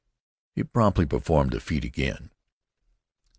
He promptly performed the feat again.